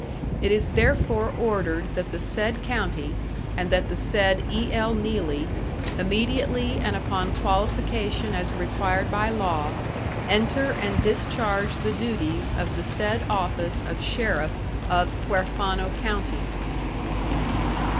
It is therefore ordered that the said county, and that the said E. L. Neelley, immediately and upon qualification as required by law, enter and discharge the duties of the said office of sheriff of Huerfano county...."